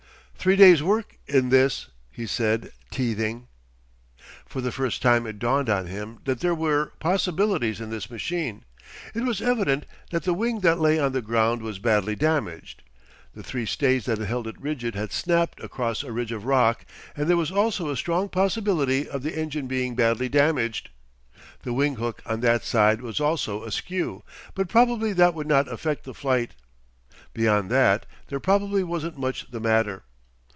"Three days' work in this," he said, teething. For the first time it dawned on him that there were possibilities in this machine. It was evident that the wing that lay on the ground was badly damaged. The three stays that held it rigid had snapped across a ridge of rock and there was also a strong possibility of the engine being badly damaged. The wing hook on that side was also askew, but probably that would not affect the flight. Beyond that there probably wasn't much the matter.